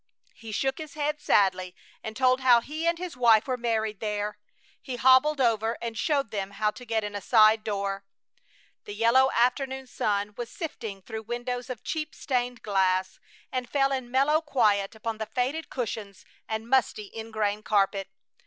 He shook his head sadly and told how he and his wife were married there. He hobbled over and showed them how to get in a side door. The yellow afternoon sun was sifting through windows of cheap stained glass, and fell in mellow quiet upon the faded cushions and musty ingrain carpet.